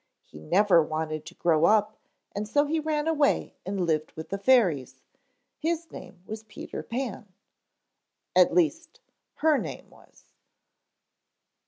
He never wanted to grow up and so he ran away and lived with the fairies. His name was Peter Pan. At least her name was."